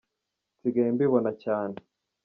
Nsigaye mbibona cyane